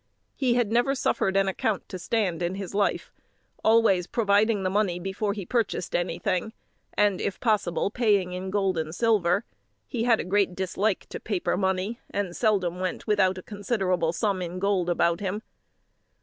He had never suffered an account to stand in his life, always providing the money before he purchased anything; and, if possible, paying in gold and silver. He had a great dislike to paper money, and seldom went without a considerable sum in gold about him.